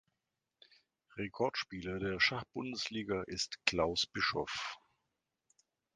Rekordspieler der Schachbundesliga ist Klaus Bischoff.